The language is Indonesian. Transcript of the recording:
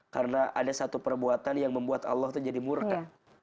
karena ada satu perbuatan yang membuat allah itu jadi murka